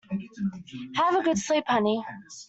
Have a good sleep honey.